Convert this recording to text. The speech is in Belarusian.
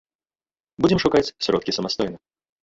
Будзем шукаць сродкі самастойна.